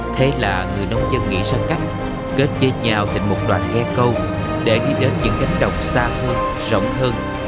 thế là người nông dân nghĩ ra cách kết chế nhào thành một đoàn ghe câu để đi đến những cánh đồng xa hơn rộng hơn